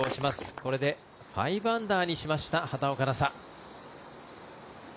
これで５アンダーにしました畑岡奈紗。